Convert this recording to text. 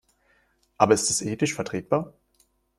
Aber ist es ethisch vertretbar?